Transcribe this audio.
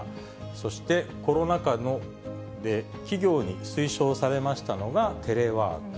そしてコロナ禍で企業に推奨されましたのが、テレワーク。